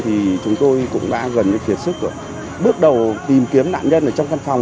thì chúng tôi cũng đã gần như kiệt sức bước đầu tìm kiếm nạn nhân ở trong căn phòng